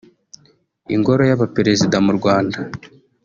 ingoro y’Abaperezida mu Rwanda